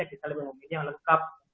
kita lebih memilih yang lengkap